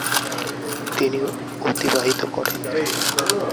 তিনি অতিবাহিত করেন এখানে।